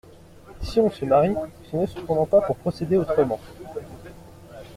Si on se marie, ce n'est cependant pas pour procéder autrement.